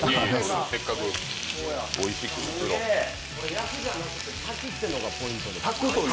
焼くんじゃなくて炊くというのがポイントです。